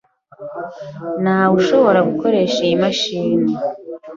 Ntawe ushobora gukoresha iyi mashini.